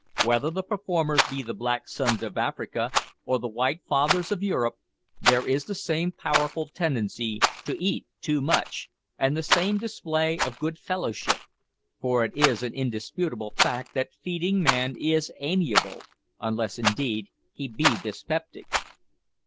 Whether the performers be the black sons of Africa, or the white fathers of Europe, there is the same powerful tendency to eat too much, and the same display of good fellowship; for it is an indisputable fact that feeding man is amiable, unless, indeed, he be dyspeptic.